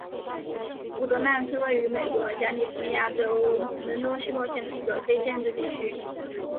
伍德曼是位于美国加利福尼亚州门多西诺县的一个非建制地区。